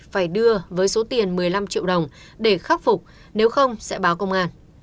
phải đưa với số tiền một mươi năm triệu đồng để khắc phục nếu không sẽ báo công an